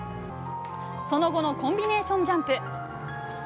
その後のコンビネーションジャンプ。